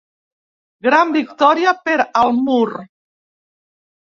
Gran victòria per al mur.